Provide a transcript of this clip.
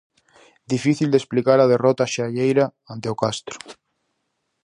Difícil de explicar a derrota xalleira ante o Castro.